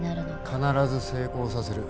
必ず成功させる。